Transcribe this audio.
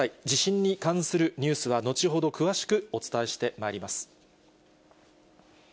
地震に関するニュースは後ほど詳しくお伝えしてまいります。